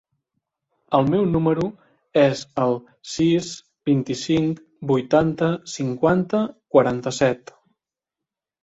El meu número es el sis, vint-i-cinc, vuitanta, cinquanta, quaranta-set.